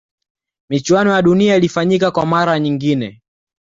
michuano ya dunia ilifanyika kwa mara nyingine